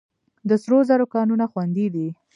د سرو زرو کانونه خوندي دي؟